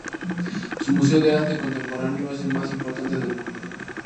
Su museo de arte contemporáneo es el más importante del mundo.